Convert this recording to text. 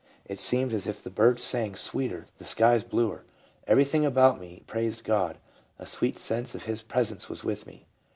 It seemed as if the birds sang 354 leuba : sweeter, the sky bluer. Everything about me praised God, and a sweet sense of His presence was with me."